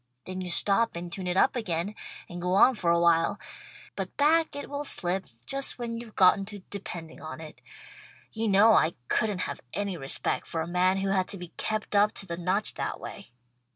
Then you stop and tune it up again, and go on for awhile, but back it will slip just when you've gotten to depending on it. You know I couldn't have any respect for a man who had to be kept up to the notch that way.